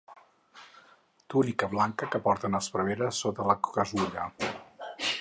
Túnica blanca que porten els preveres sota la casulla.